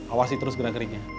awasi terus gerak geriknya